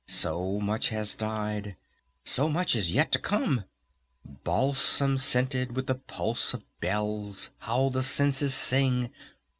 So much has died! So much is yet to come! Balsam Scented, with the pulse of bells, how the senses sing!